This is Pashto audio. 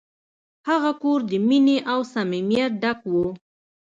هغه کور د مینې او صمیمیت ډک و.